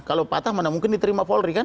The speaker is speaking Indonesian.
kalau patah mana mungkin diterima polri kan